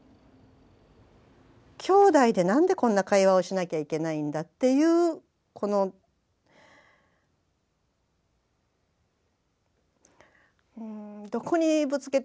きょうだいでなんでこんな会話をしなきゃいけないんだっていうこのどこにぶつけていいか分かんない怒りというか。